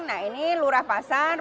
nah ini lurah pasar